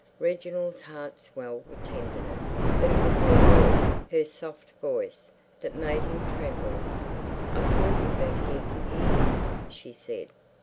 Reginald's heart swelled with tenderness, but it was her voice, her soft voice, that made him tremble. "I feel you've been here for years," she said.